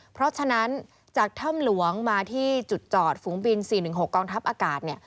เพราะฉะนั้นจากถ้ำหลวงมาที่จุดจอดฝูงบิน๔๑๖กองทัพอากาศเนี่ย